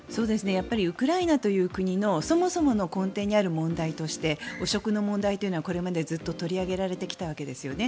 やっぱりウクライナという国のそもそもの根底にある問題として汚職の問題というのはこれまでずっと取り上げられてきたわけですね。